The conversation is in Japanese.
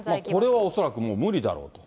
これは恐らくもう無理だろうと。